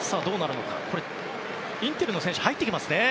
インテルの選手が入ってきますね。